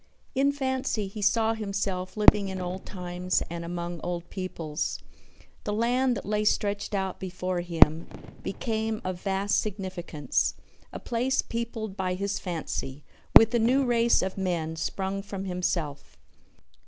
In fancy he saw himself living in old times and among old peoples. The land that lay stretched out before him became of vast significance, a place peopled by his fancy with a new race of men sprung from himself.